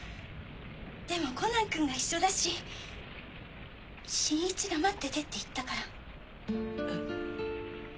でもコナンくんが一緒だし新一が待っててって言ったから。え？